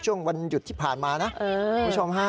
วันหยุดที่ผ่านมานะคุณผู้ชมฮะ